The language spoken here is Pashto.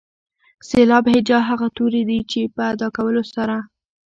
سېلاب هجا هغه توري دي چې په ادا کولو سره.